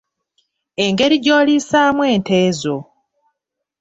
Engeri gy’oliisaamu ente zo.